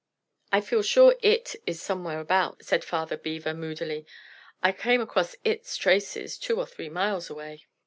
"I feel sure IT is somewhere about," said Father Beaver moodily. "I came across ITS traces two or three miles away."